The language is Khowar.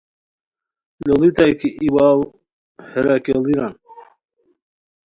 لوڑیتائے کی ای واؤ ہیرا کیڑیران